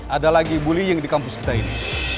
ada lagi bullying di kampus kita ini